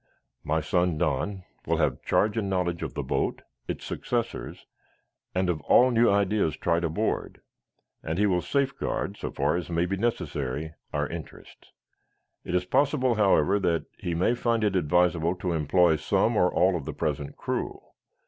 My son, Don, will have charge and knowledge of the boat, its successors, and of all new ideas tried aboard, and he will safeguard, so far as may be necessary our interests. It is possible, however, that he may find it advisable to employ some or all of the present crew.